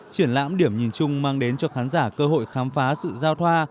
triển lãm điểm nhìn chung mang đến cho khán giả cơ hội khám phá sự giao thoa